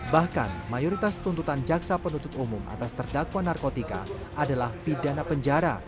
bahkan mayoritas tuntutan jaksa penuntut umum atas terdakwa narkotika adalah pidana penjara